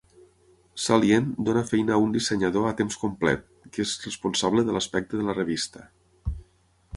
"Salient" dona feina a un dissenyador a temps complet que és responsable de l'aspecte de la revista.